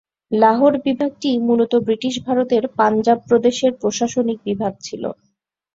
লাহোর বিভাগটি মূলত ব্রিটিশ ভারতের পাঞ্জাব প্রদেশের প্রশাসনিক বিভাগ ছিল।